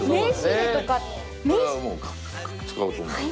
これはもう使うと思う。